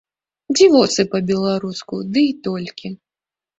Дзівосы па-беларуску, дый толькі.